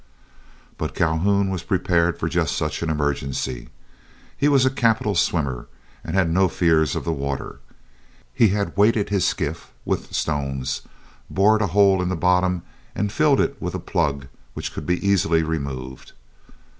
But Calhoun was prepared for just such an emergency. He was a capital swimmer, and had no fears of the water. He had weighted his skiff with stones, bored a hole in the bottom, and filled it with a plug which could easily be removed.